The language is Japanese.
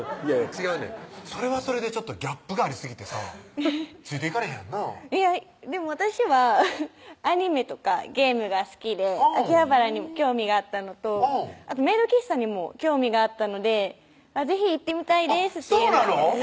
違うねんそれはそれでちょっとギャップがありすぎてさついていかれへんやんないやでも私はアニメとかゲームが好きで秋葉原にも興味があったのとあとメイド喫茶にも興味があったので「是非行ってみたいです」ってそうなの？